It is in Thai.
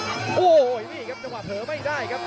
โอ้โหนี่ครับจังหวะเผลอไม่ได้ครับ